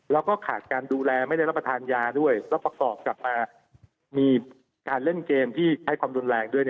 แล้วก็ขาดการดูแลไม่ได้รับประทานยาด้วยแล้วประกอบกลับมามีการเล่นเกมที่ใช้ความรุนแรงด้วย